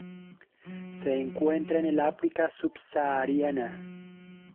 Se encuentra en el África subsahariana.